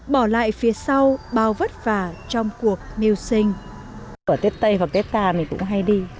bỏ lại phía sau bao vất vả trong cuộc miêu sinh